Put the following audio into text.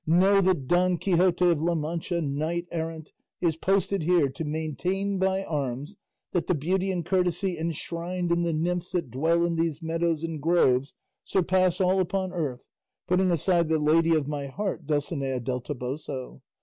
Know that Don Quixote of La Mancha, knight errant, is posted here to maintain by arms that the beauty and courtesy enshrined in the nymphs that dwell in these meadows and groves surpass all upon earth, putting aside the lady of my heart, Dulcinea del Toboso.